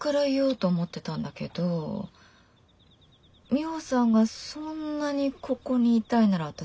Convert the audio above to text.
ミホさんがそんなにここにいたいなら私